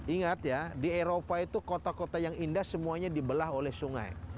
ingat ya di eropa itu kota kota yang indah semuanya dibelah oleh sungai